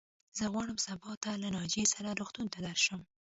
زه غواړم سبا ته له ناجيې سره روغتون ته درشم.